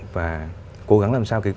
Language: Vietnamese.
và cố gắng làm sao